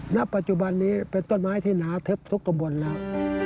ณปัจจุบันนี้เป็นต้นไม้ที่หนาแทบทุกตำบลแล้ว